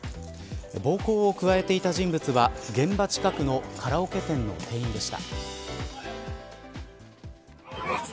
暴行を加えていた人物は現場近くのカラオケ店の店員でした。